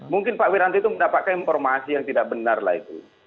mungkin pak wiranto itu mendapatkan informasi yang tidak benar lah itu